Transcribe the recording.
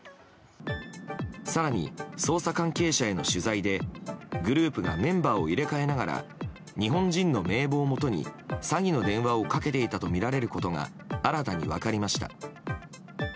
更に、捜査関係者への取材でグループがメンバーを入れ替えながら日本人の名簿をもとに詐欺の電話をかけていたとみられることが新たに分かりました。